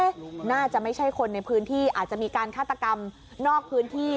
น่าจะไม่ใช่คนในพื้นที่อาจจะมีการฆาตกรรมนอกพื้นที่